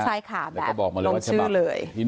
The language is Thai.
ใช่ค่ะลงชื่อเลย